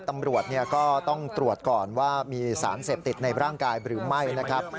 ตำรวจก็ต้องตรวจก่อนว่ามีสารเสพติดในร่างกายหรือไม่นะครับ